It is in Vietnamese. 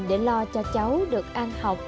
để lo cho cháu được ăn học